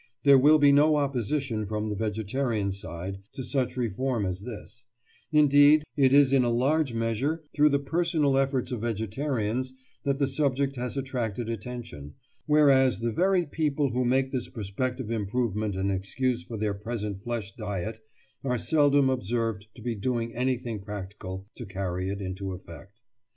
There will be no opposition from the vegetarian side to such reform as this; indeed, it is in a large measure through the personal efforts of vegetarians that the subject has attracted attention, whereas the very people who make this prospective improvement an excuse for their present flesh diet are seldom observed to be doing anything practical to carry it into effect.